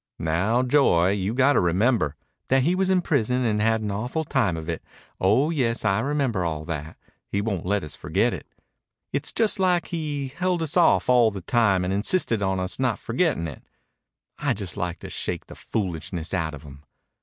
"Now, Joy, you got to remember "" that he was in prison and had an awful time of it. Oh, yes, I remember all that. He won't let us forget it. It's just like he held us off all the time and insisted on us not forgetting it. I'd just like to shake the foolishness out of him."